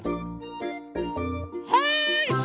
はい！